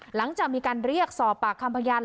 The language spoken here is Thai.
หลังจากมีการเรียกสอบปากคำพยาน